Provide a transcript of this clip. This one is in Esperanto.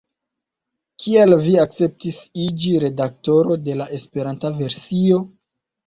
Kial vi akceptis iĝi redaktoro de la Esperanta versio?